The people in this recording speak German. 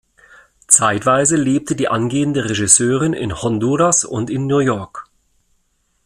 Zeitweise lebte die angehende Regisseurin in Honduras und in New York.